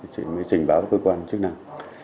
chị mới trình báo cơ quan trước năm